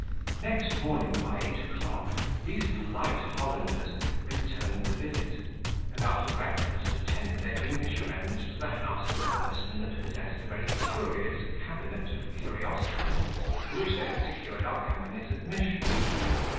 Next morning by eight o'clock, these polite Hollanders returned the visit, and, after breakfast, attended their English friends to the house of a person that possessed a very curious cabinet of curiosities, to which they had secured our company's admission.